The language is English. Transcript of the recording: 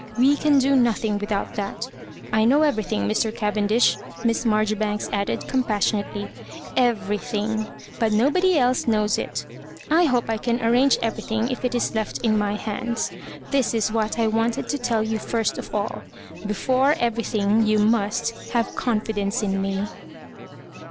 We can do no thing without that I know everything, Mr. Cavendish," Miss Marjoribanks added compas sionately —" everything ; but nobody else knows it ' I hope I can arrange everything if it is left in my hands. This is what I wanted to tell you first of all Before everything, you must havo confidence in me."